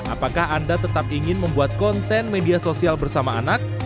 apakah anda tetap ingin membuat konten media sosial bersama anak